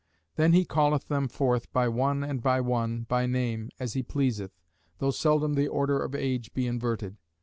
Then he calleth them forth by one and by one, by name, as he pleaseth, though seldom the order of age be inverted.